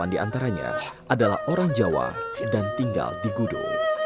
delapan diantaranya adalah orang jawa dan tinggal di gudo